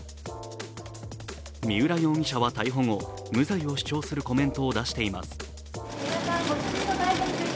三浦容疑者は逮捕後、無罪を主張するコメントを出しています。